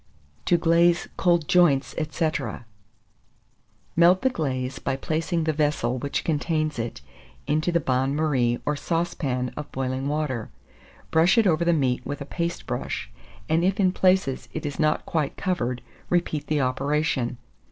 TO GLAZE COLD JOINTS, &c. Melt the glaze by placing the vessel which contains it, into the bain marie or saucepan of boiling water; brush it over the meat with a paste brush, and if in places it is not quite covered, repeat the operation.